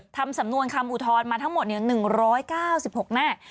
ทำสำนวนคำอุทธรณ์มาทั้งหมด๑๙๖หน้า